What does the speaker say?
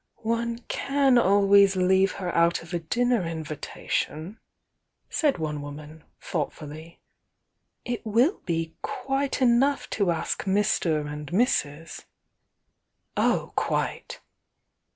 One can always leave her out of a dinner invi tation, said one woman, thoughtfully. "It will be quite enough to ask Mr. and Mrs " "Oh, quite!"